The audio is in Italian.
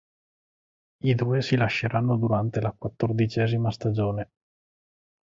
I due si lasceranno durante la quattordicesima stagione.